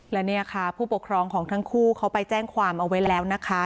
และเนี่ยค่ะผู้ปกครองของทั้งคู่เขาไปแจ้งความเอาไว้แล้วนะคะ